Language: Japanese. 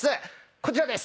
こちらです。